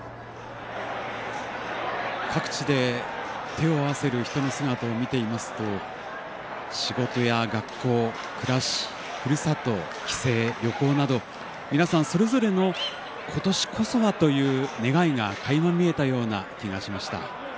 各地で手を合わせる人の姿を見ていますと仕事や学校、暮らしふるさと、帰省、旅行など皆さん、それぞれの「ことしこそは」という願いがかいま見えたような気がしました。